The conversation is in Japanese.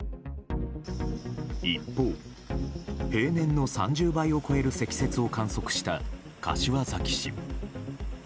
一方、平年の３０倍を超える積雪を観測した柏崎市。